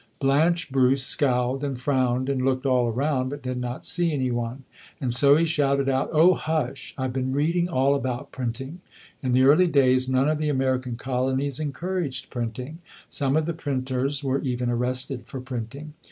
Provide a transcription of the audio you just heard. Blanche Bruce scowled and frowned and looked all around but did not see any one. And so he shouted out, "Oh hush ! I've been reading all about printing. In the early days none of the American colonies encouraged printing. Some of the print ers were even arrested for printing.